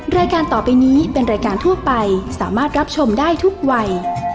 รายการต่อไปนี้เป็นรายการทั่วไปสามารถรับชมได้ทุกวัย